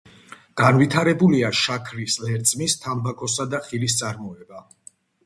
განვითარებულია შაქრის ლერწმის, თამბაქოსა და ხილის წარმოება.